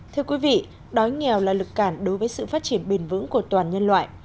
thưa quý vị đói nghèo là lực cản đối với sự phát triển bền vững của toàn nhân loại